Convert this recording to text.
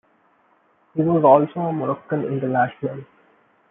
He was also a Moroccan international.